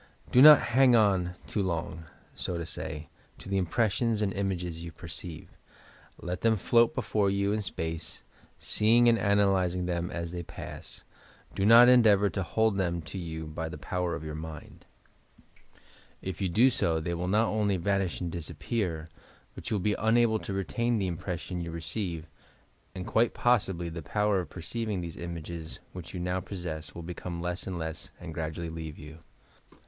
Do not "hang on," too long, so to say, to the impressions and images you perceive. Let them float SNAKES AND PITFALLS TO AVOID 317 before you in space, seeing and analysing them as tliey pass, but do not endeavour to hold them to you by the power of your mind. If you do so they will not only vanish and disappear, but you will be unable to retain the impression you receive and, quite possibly, the power of perceiving these images, which you now possess, will become less and less and gradually leave you.